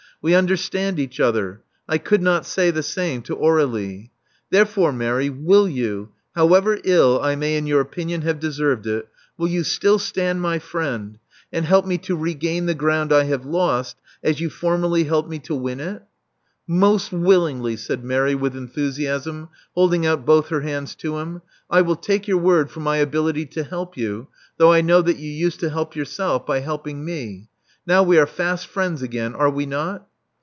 We understand each other: I could not say the same to Aur61ie. Therefore, Mary, will you — however ill I may in your opinion have deserved it — will you still stand my friend, and help me to regain the ground I have lost, as you formerly helped me to win it?" 392 Love Among the Artists '*Most willingly," said Mary with enthusiasm, hold iiii^ out both her hands to him. I will take your word for my ability to help you, though I know that you used to help yourself by helping me. Now we are fast friends again, are we not?"